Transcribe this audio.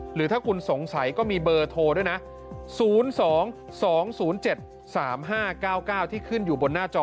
หรือถ้าคุณสงสัยก็มีเบอร์โทรด้วยนะ๐๒๒๐๗๓๕๙๙ที่ขึ้นอยู่บนหน้าจอ